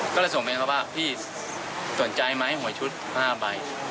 ก็เลยส่งไปข้างบ้านพี่สนใจมั้ยหมวยชุด๕ใบ